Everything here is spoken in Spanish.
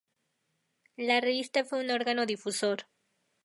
La revista fue su órgano difusor.